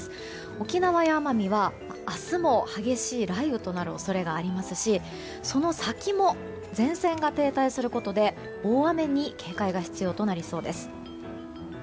沖縄、奄美は明日も激しい雷雨となる恐れがありますしその先も前線が停滞することで大雨に警戒が必要となりそうです。